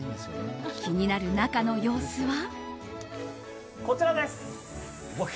気になる中の様子は。